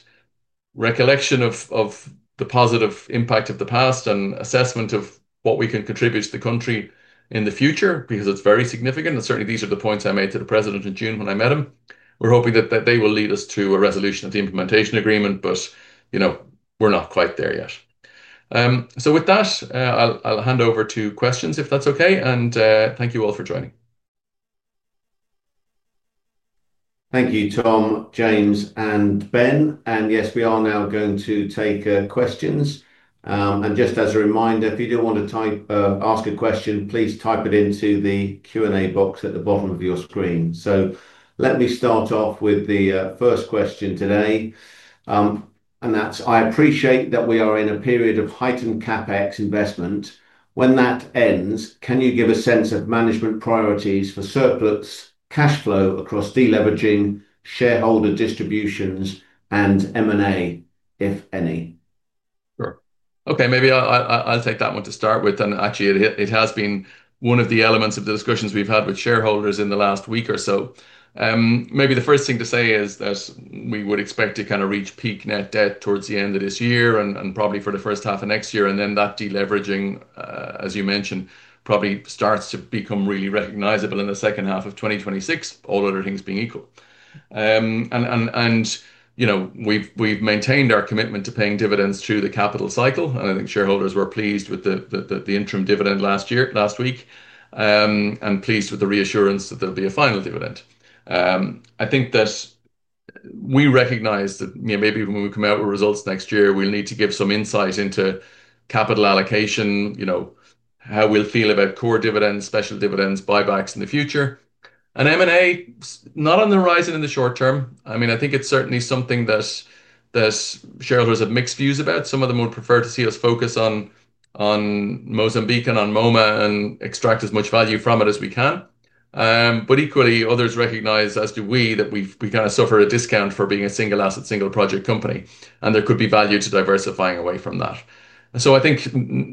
recollection of the positive impact of the past and assessment of what we can contribute to the country in the future, because it's very significant. Certainly, these are the points I made to the President in June when I met him. We're hoping that they will lead us to a resolution of the Implementation Agreement, but we're not quite there yet. With that, I'll hand over to questions if that's okay. Thank you all for joining. Thank you, Tom, James, and Ben. Yes, we are now going to take questions. Just as a reminder, if you do want to ask a question, please type it into the Q&A box at the bottom of your screen. Let me start off with the first question today. I appreciate that we are in a period of heightened CapEx investment. When that ends, can you give a sense of management priorities for surplus cash flow across deleveraging, shareholder distributions, and M&A, if any? Sure. Okay, maybe I'll take that one to start with. Actually, it has been one of the elements of the discussions we've had with shareholders in the last week or so. Maybe the first thing to say is that we would expect to kind of reach peak net debt towards the end of this year and probably for the first half of next year. That deleveraging, as you mentioned, probably starts to become really recognizable in the second half of 2026, all other things being equal. We've maintained our commitment to paying dividends through the capital cycle. I think shareholders were pleased with the interim dividend last week and pleased with the reassurance that there'll be a final dividend. I think that we recognize that maybe when we come out with results next year, we'll need to give some insight into capital allocation, how we'll feel about core dividends, special dividends, buybacks in the future. M&A is not on the horizon in the short term. I think it's certainly something that shareholders have mixed views about. Some of them would prefer to see us focus on Mozambique and on Moma and extract as much value from it as we can. Equally, others recognize, as do we, that we kind of suffer a discount for being a single asset, single project company. There could be value to diversifying away from that. I think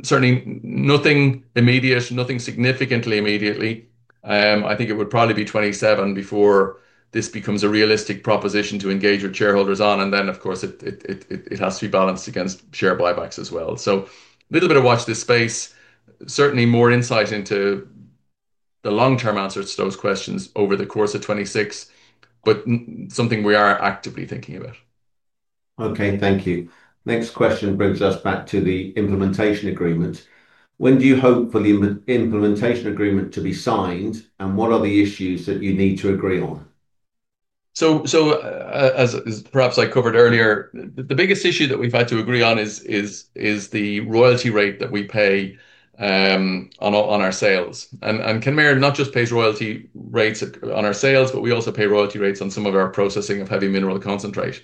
certainly nothing immediate, nothing significantly immediately. I think it would probably be 2027 before this becomes a realistic proposition to engage with shareholders on. Of course, it has to be balanced against share buybacks as well. A little bit of watch this space, certainly more insight into the long-term answers to those questions over the course of 2026, but something we are actively thinking about. Okay and thank you. Next question brings us back to the Implementation Agreement. When do you hope for the Implementation Agreement to be signed, and what are the issues that you need to agree on? As perhaps I covered earlier, the biggest issue that we've had to agree on is the royalty rate that we pay on our sales. Kenmare not just pays royalty rates on our sales, but we also pay royalty rates on some of our processing of heavy mineral concentrate.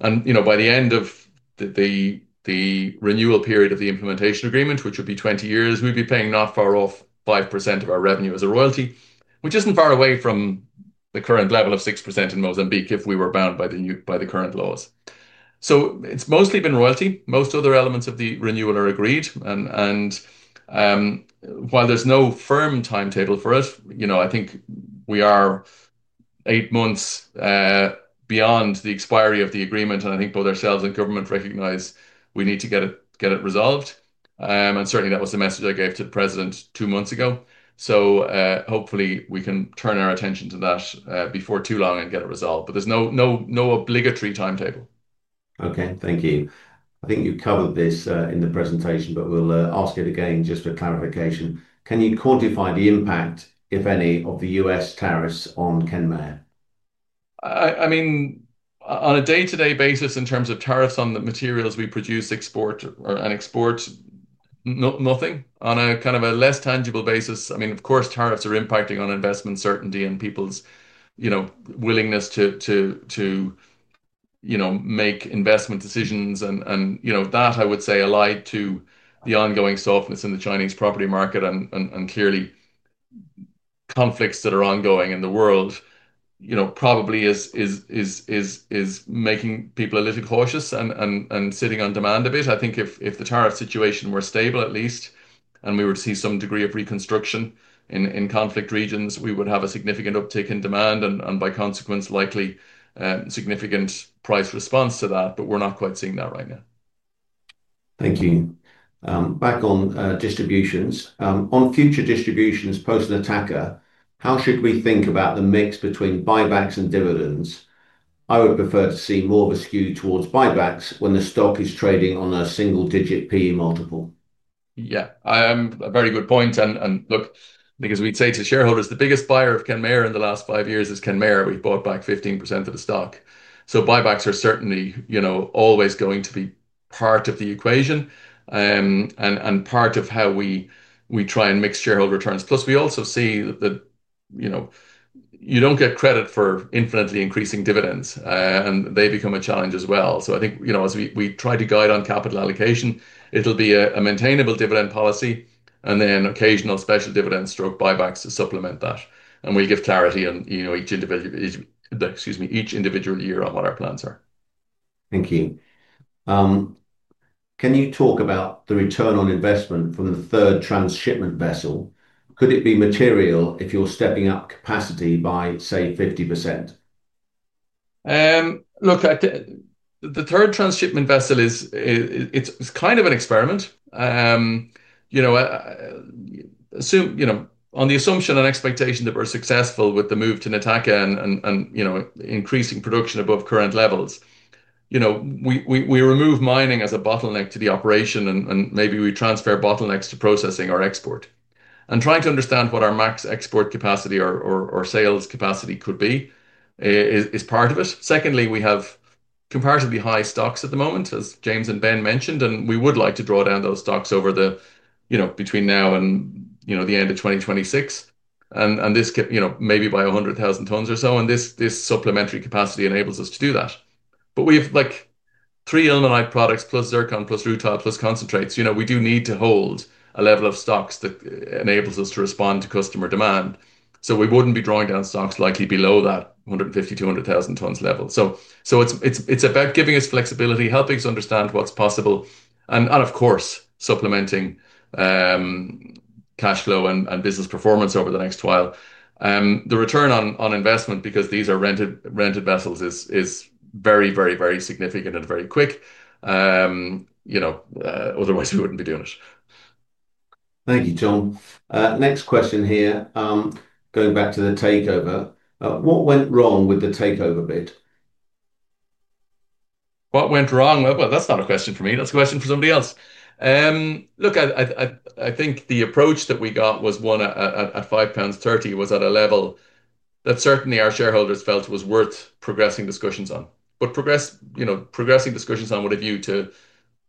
By the end of the renewal period of the Implementation Agreement, which would be 20 years, we'd be paying not far off 5% of our revenue as a royalty, which isn't far away from the current level of 6% in Mozambique if we were bound by the current laws. It's mostly been royalty. Most other elements of the renewal are agreed. While there's no firm timetable for it, I think we are eight months beyond the expiry of the agreement. I think both ourselves and government recognize we need to get it resolved. Certainly, that was the message I gave to the President two months ago. Hopefully, we can turn our attention to that before too long and get it resolved. There's no obligatory timetable. Okay and thank you. I think you covered this in the presentation, but we'll ask it again just for clarification. Can you quantify the impact, if any, of the U.S. tariffs on Kenmare? I mean, on a day-to-day basis, in terms of tariffs on the materials we produce, export, and export, nothing. On a kind of a less tangible basis, I mean, of course, tariffs are impacting on investment certainty and people's willingness to make investment decisions. That, I would say, allied to the ongoing softness in the Chinese property market and clearly conflicts that are ongoing in the world, probably is making people a little cautious and sitting on demand a bit. I think if the tariff situation were stable, at least, and we would see some degree of reconstruction in conflict regions, we would have a significant uptick in demand and, by consequence, likely a significant price response to that. We're not quite seeing that right now. Thank you. Back on distributions, on future distributions post-Nataka, how should we think about the mix between buybacks and dividends? I would prefer to see more of a skew towards buybacks when the stock is trading on a single-digit P.E. multiple. Yeah, a very good point. Look, because we'd say to shareholders, the biggest buyer of Kenmare in the last five years is Kenmare. We've bought back 15% of the stock. Buybacks are certainly always going to be part of the equation and part of how we try and mix shareholder returns. Plus, we also see that you don't get credit for infinitely increasing dividends, and they become a challenge as well. I think as we try to guide on capital allocation, it'll be a maintainable dividend policy and then occasional special dividends stroke buybacks to supplement that. We give clarity on each individual year on what our plans are. Thank you. Can you talk about the return on investment from the third transshipment vessel? Could it be material if you're stepping up capacity by, say, 50%? Look, the third transshipment vessel is kind of an experiment. On the assumption and expectation that we're successful with the move to Nataka and increasing production above current levels, we remove mining as a bottleneck to the operation, and maybe we transfer bottlenecks to processing or export. Trying to understand what our max export capacity or sales capacity could be is part of it. Secondly, we have comparatively high stocks at the moment, as James and Ben mentioned. We would like to draw down those stocks between now and the end of 2026, and maybe by 100,000 tons or so. This supplementary capacity enables us to do that. We have three ilmenite products plus zircon plus rutile plus concentrates. We do need to hold a level of stocks that enables us to respond to customer demand. We wouldn't be drawing down stocks likely below that 150,000 tons-200,000 tons level. It's about giving us flexibility, helping us understand what's possible, and of course, supplementing cash flow and business performance over the next while. The return on investment, because these are rented vessels, is very, very, very significant and very quick. Otherwise, we wouldn't be doing it. Thank you, Tom. Next question here, going back to the takeover. What went wrong with the takeover bid? What went wrong? That's not a question for me. That's a question for somebody else. Look, I think the approach that we got was one at £5.30, which was at a level that certainly our shareholders felt was worth progressing discussions on. Progressing discussions on would have you to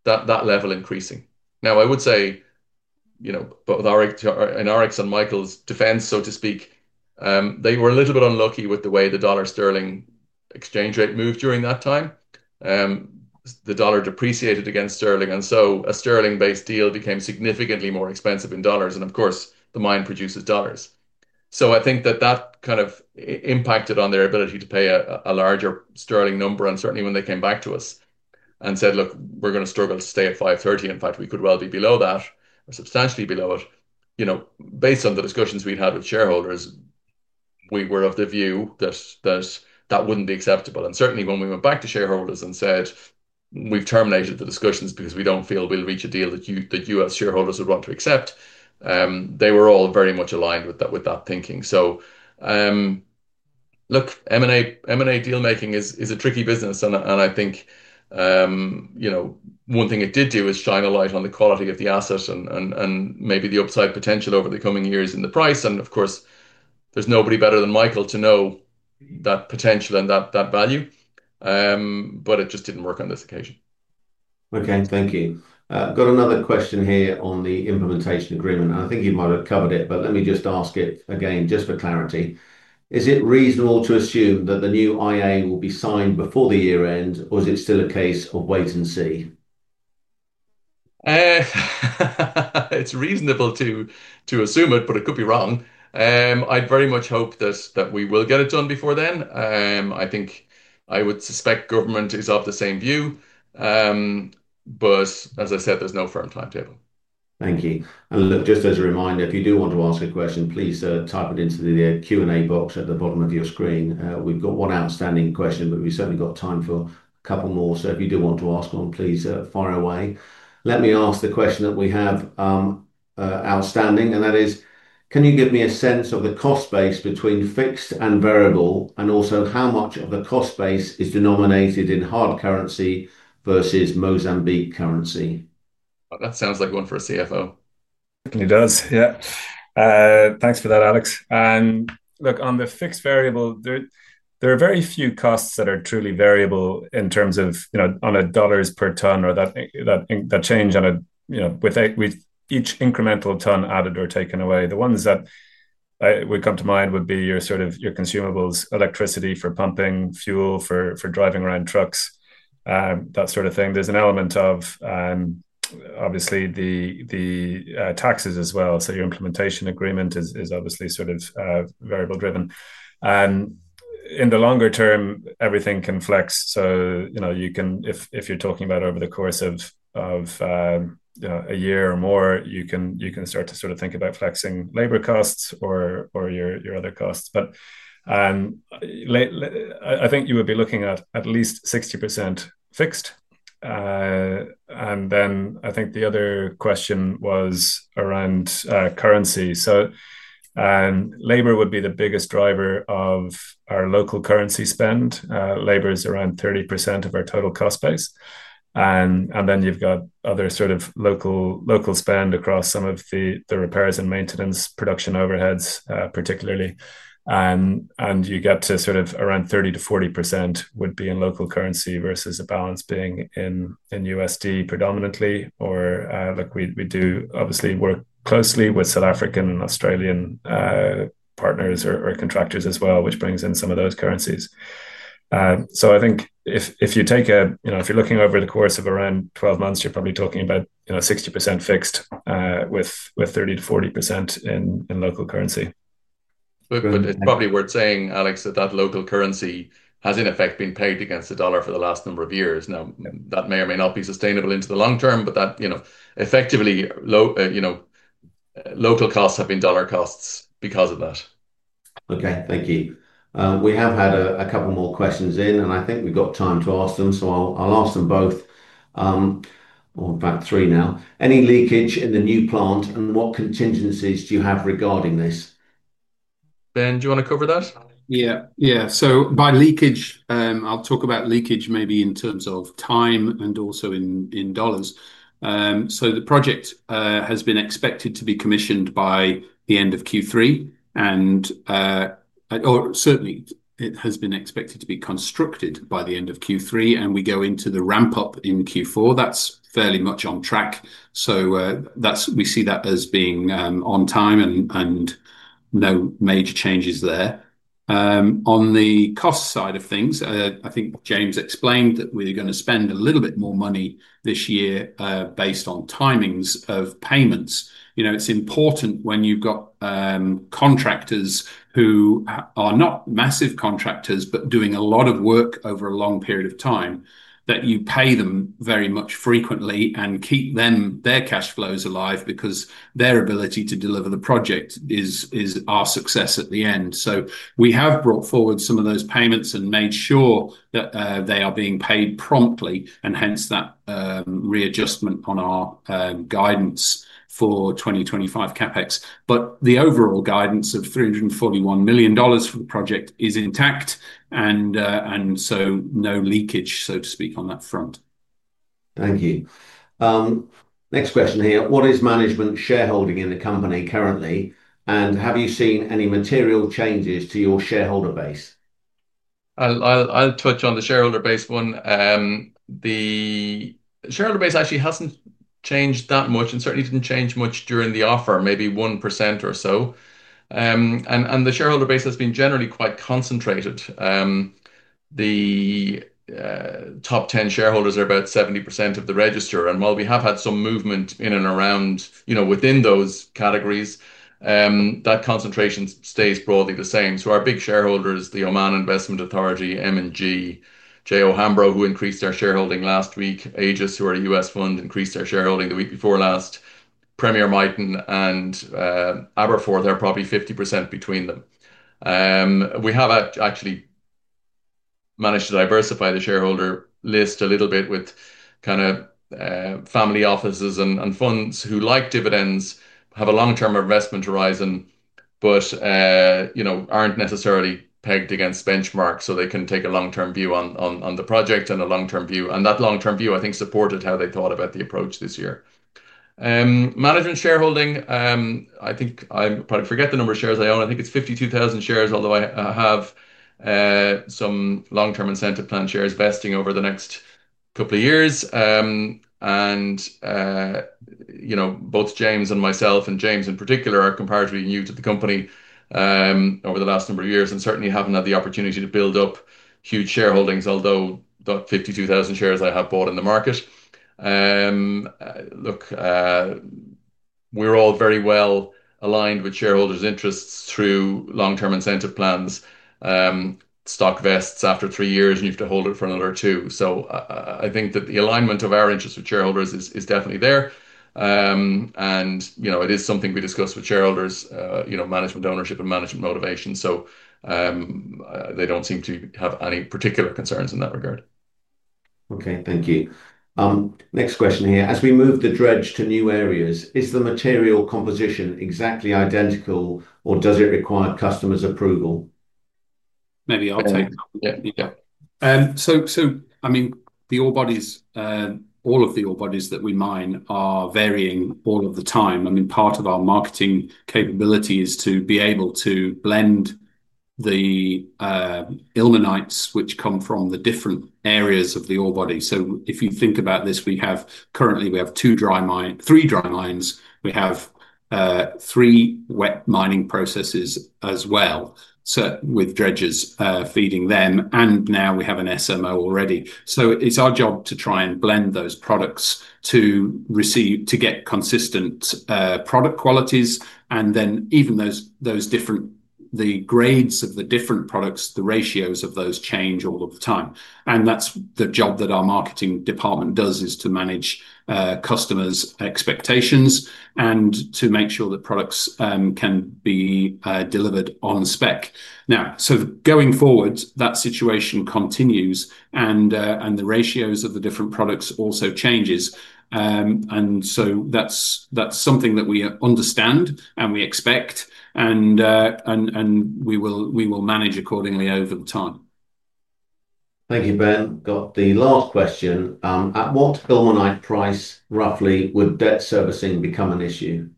that level increasing. I would say, in Alex and Michael's defense, they were a little bit unlucky with the way the dollar-sterling exchange rate moved during that time. The dollar depreciated against sterling, and a sterling-based deal became significantly more expensive in dollars. Of course, the mine produces dollars, so I think that impacted their ability to pay a larger sterling number. Certainly, when they came back to us and said, look, we're going to struggle to stay at £5.30, in fact, we could well be below that, substantially below it. Based on the discussions we'd had with shareholders, we were of the view that that wouldn't be acceptable. Certainly, when we went back to shareholders and said, we've terminated the discussions because we don't feel we'll reach a deal that you as shareholders would want to accept, they were all very much aligned with that thinking. M&A deal-making is a tricky business. I think one thing it did do is shine a light on the quality of the assets and maybe the upside potential over the coming years in the price. Of course, there's nobody better than Michael to know that potential and that value. It just didn't work on this occasion. Okay and thank you. Got another question here on the Implementation Agreement. I think you might have covered it, but let me just ask it again for clarity. Is it reasonable to assume that the new IA will be signed before the year end, or is it still a case of wait and see? It's reasonable to assume it, but it could be wrong. I'd very much hope that we will get it done before then. I think I would suspect government is of the same view. As I said, there's no firm timetable. Thank you. Just as a reminder, if you do want to ask a question, please type it into the Q&A box at the bottom of your screen. We've got one outstanding question, but we've certainly got time for a couple more. If you do want to ask one, please fire away. Let me ask the question that we have outstanding. That is, can you give me a sense of the cost base between fixed and variable, and also how much of the cost base is denominated in hard currency versus Mozambique currency? That sounds like one for a CFO. It does, yeah. Thanks for that, Alex. On the fixed variable, there are very few costs that are truly variable in terms of on a dollars per ton or that change with each incremental ton added or taken away. The ones that would come to mind would be your consumables, electricity for pumping, fuel for driving around trucks, that sort of thing. There's an element of, obviously, the taxes as well. Your Implementation Agreement is obviously sort of variable-driven. In the longer term, everything can flex. If you're talking about over the course of a year or more, you can start to sort of think about flexing labor costs or your other costs. I think you would be looking at at least 60% fixed. I think the other question was around currency. Labor would be the biggest driver of our local currency spend. Labor is around 30% of our total cost base. Then you've got other sort of local spend across some of the repairs and maintenance production overheads, particularly. You get to sort of around 30%-40% would be in local currency versus the balance being in USD predominantly. We do obviously work closely with South African and Australian partners or contractors as well, which brings in some of those currencies. I think if you're looking over the course of around 12 months, you're probably talking about 60% fixed with 30%-40% in local currency. It's probably worth saying, Alex, that local currency has in effect been pegged against the dollar for the last number of years. That may or may not be sustainable into the long term, but effectively, local costs have been dollar costs because of that. Okay, thank you. We have had a couple more questions in, and I think we've got time to ask them. I'll ask them both. Well about three now. Any leakage in the new plant, and what contingencies do you have regarding this? Ben, do you want to cover that? Yeah, yeah. By leakage, I'll talk about leakage maybe in terms of time and also in dollars. The project has been expected to be commissioned by the end of Q3, and certainly, it has been expected to be constructed by the end of Q3. We go into the ramp-up in Q4. That's fairly much on track. We see that as being on time and no major changes there. On the cost side of things, I think James explained that we're going to spend a little bit more money this year based on timings of payments. It's important when you've got contractors who are not massive contractors, but doing a lot of work over a long period of time, that you pay them very much frequently and keep their cash flows alive because their ability to deliver the project is our success at the end. We have brought forward some of those payments and made sure that they are being paid promptly, and hence that readjustment on our guidance for 2025 CapEx. The overall guidance of $341 million for the project is intact, and no leakage, so to speak, on that front. Thank you. Next question here. What is management shareholding in the company currently, and have you seen any material changes to your shareholder base? I'll touch on the shareholder base one. The shareholder base actually hasn't changed that much and certainly didn't change much during the offer, maybe 1% or so. The shareholder base has been generally quite concentrated. The top 10 shareholders are about 70% of the register. While we have had some movement in and around within those categories, that concentration stays broadly the same. Our big shareholders, the Oman Investment Authority, M&G, JO Hambro, who increased their shareholding last week, Aegis, who are a U.S. fund, increased their shareholding the week before last, Premier Miton and Aberforth are probably 50% between them. We have actually managed to diversify the shareholder list a little bit with kind of family offices and funds who like dividends, have a long-term investment horizon, but aren't necessarily pegged against benchmarks. They can take a long-term view on the project and a long-term view. That long-term view, I think, supported how they thought about the approach this year. Management shareholding, I think I forget the number of shares I own. I think it's 52,000 shares, although I have some long-term incentive plan shares vesting over the next couple of years. Both James and myself, and James in particular, are comparatively new to the company over the last number of years and certainly haven't had the opportunity to build up huge shareholdings, although that 52,000 shares I have bought in the market. We're all very well aligned with shareholders' interests through long-term incentive plans. Stock vests after three years, and you have to hold it for another two. I think that the alignment of our interests with shareholders is definitely there. It is something we discuss with shareholders, management ownership and management motivation. They don't seem to have any particular concerns in that regard. Okay, thank you. Next question here. As we move the dredge to new areas, is the material composition exactly identical, or does it require customers' approval? Maybe I'll take that one. The orebodies, all of the orebodies that we mine are varying all of the time. Part of our marketing capability is to be able to blend the ilmenites, which come from the different areas of the orebody. If you think about this, we have currently, we have two dry mines, three dry mines. We have three wet mining processes as well, with dredges feeding them. Now we have an SMO already. It's our job to try and blend those products to get consistent product qualities. Even those different, the grades of the different products, the ratios of those change all of the time. That's the job that our marketing department does, to manage customers' expectations and to make sure that products can be delivered on spec. Going forward, that situation continues, and the ratios of the different products also changes. That's something that we understand and we expect, and we will manage accordingly over time. Thank you, Ben. Got the last question. At what ilmenite price roughly would debt servicing become an issue?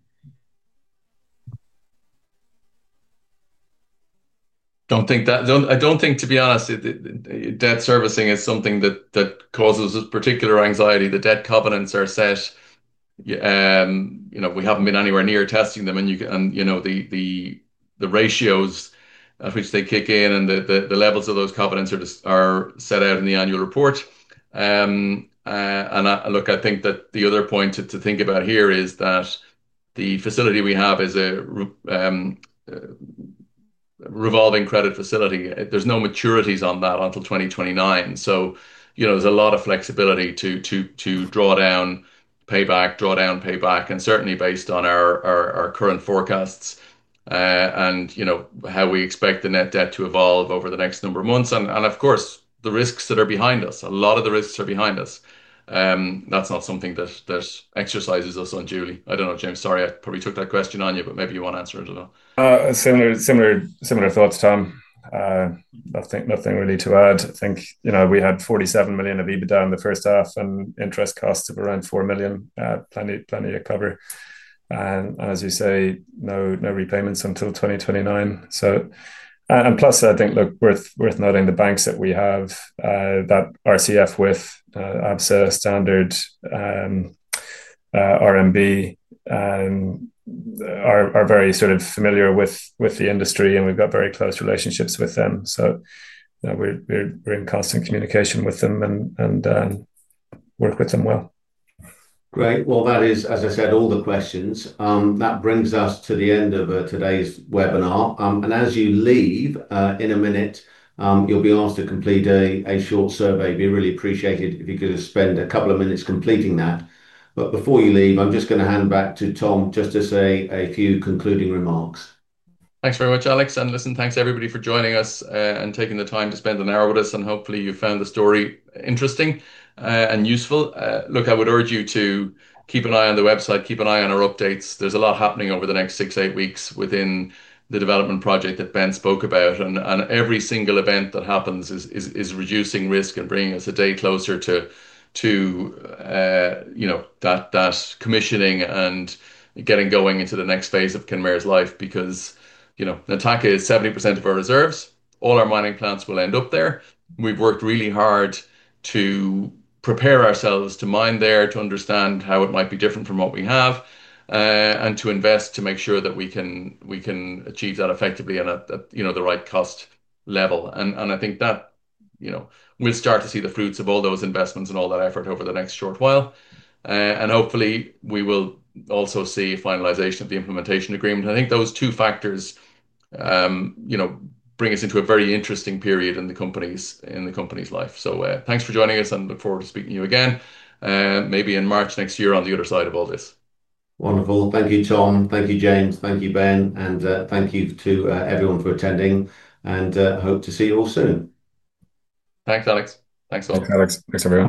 I don't think that, to be honest, debt servicing is something that causes us particular anxiety. The debt covenants are set. We haven't been anywhere near testing them. You know the ratios at which they kick in and the levels of those covenants are set out in the annual report. I think that the other point to think about here is that the facility we have is a revolving credit facility. There's no maturities on that until 2029. There's a lot of flexibility to draw down, pay back, draw down, pay back, and certainly based on our current forecasts and how we expect the net debt to evolve over the next number of months. Of course, the risks that are behind us, a lot of the risks are behind us. That's not something that exercises us on duty. I don't know, James, sorry, I probably took that question on you, but maybe you want to answer it or not. Similar thoughts, Tom. Nothing really to add. I think we had $47 million of EBITDA in the first half and interest costs of around $4 million planning to cover. As you say, no repayments until 2029. Plus, I think it's worth noting the banks that we have that RCF with, Absa, Standard, RMB, are very sort of familiar with the industry. We've got very close relationships with them. We're in constant communication with them and work with them well. Great. That is, as I said, all the questions. That brings us to the end of today's webinar. As you leave in a minute, you'll be asked to complete a short survey. We really appreciate it if you could spend a couple of minutes completing that. Before you leave, I'm just going to hand back to Tom just to say a few concluding remarks. Thanks very much, Alex. Thanks everybody for joining us and taking the time to spend an hour with us. Hopefully, you found the story interesting and useful. I would urge you to keep an eye on the website, keep an eye on our updates. There's a lot happening over the next six to eight weeks within the development project that Ben spoke about. Every single event that happens is reducing risk and bringing us a day closer to that commissioning and getting going into the next phase of Kenmare's life. Nataka is 70% of our reserves. All our mining plants will end up there. We've worked really hard to prepare ourselves to mine there, to understand how it might be different from what we have, and to invest to make sure that we can achieve that effectively and at the right cost level. I think that we'll start to see the fruits of all those investments and all that effort over the next short while. Hopefully, we will also see finalization of the Implementation Agreement. I think those two factors bring us into a very interesting period in the company's life. Thanks for joining us, and look forward to speaking to you again maybe in March next year on the other side of all this. Wonderful. Thank you, Tom. Thank you, James. Thank you, Ben. Thank you to everyone for attending. Hope to see you all soon. Thanks, Alex. Thanks, Tom. Thanks, Alex. Thanks, everyone.